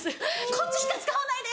「こっちしか使わないで！」